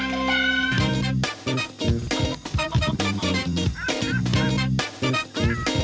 สวัสดีครับสวัสดีครับ